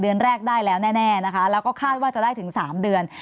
เดือนแรกได้แล้วแน่นะคะแล้วก็คาดว่าจะได้ถึง๓เดือน